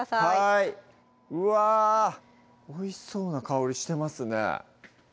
はいうわぁおいしそうな香りしてますね